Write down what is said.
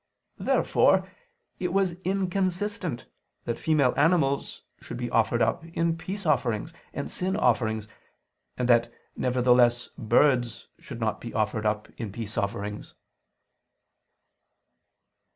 Therefore it was inconsistent that female animals should be offered up in peace offerings and sin offerings, and that nevertheless birds should not be offered up in peace offerings.